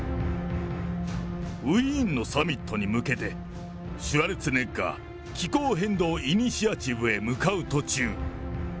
ウィーンのサミットに向け、シュワルツェネッガー気候変動イニシアチブへ向かう途中。